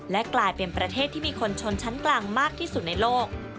และกลายเป็นประเทศที่มีคนชนชั้นกลางมากที่สุดในโลก